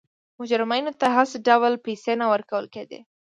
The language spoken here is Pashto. مجرمینو ته هېڅ ډول پیسې نه ورکول کېده.